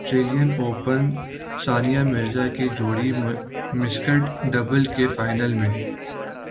سٹریلین Open Sania Mirza کی جوڑی mixed double کے فائنل میں